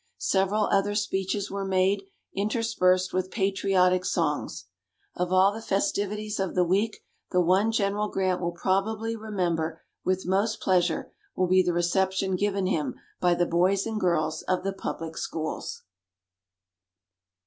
Several other speeches were made, interspersed with patriotic songs. Of all the festivities of the week, the one General Grant will probably remember with most pleasure will be the reception given him by the boys and girls of the public schools.